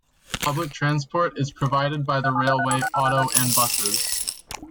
Public transport is provided by the Railway, auto and buses.